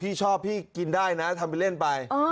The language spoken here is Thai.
พี่ชอบพี่กินได้นะทำไปเล่นไป